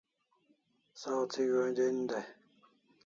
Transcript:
Saw thi go'n' den dai